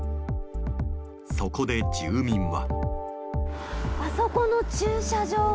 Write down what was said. そこで住民は。